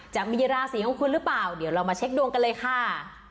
จะมีราศีของคุณหรือเปล่าเดี๋ยวเรามาเช็คดวงกันเลยค่ะ